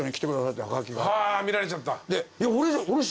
見られちゃった。